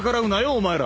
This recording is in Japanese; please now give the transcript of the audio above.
お前ら。